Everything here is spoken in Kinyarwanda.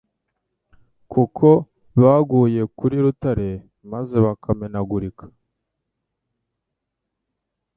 Kuko baguye kuri Rutare maze bakamenagurika.